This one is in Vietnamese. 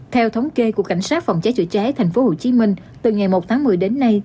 theo thống kê của cảnh sát phòng cháy chữa cháy tp hcm từ ngày một tháng một mươi đến nay